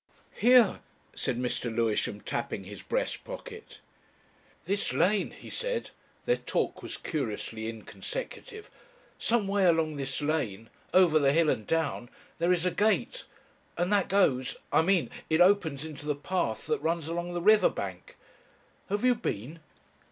"Here," said Mr. Lewisham, tapping his breast pocket. "This lane," he said their talk was curiously inconsecutive "some way along this lane, over the hill and down, there is a gate, and that goes I mean, it opens into the path that runs along the river bank. Have you been?"